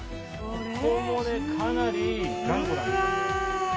ここもねかなり頑固なんですね。